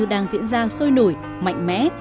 đang diễn ra sôi nổi mạnh mẽ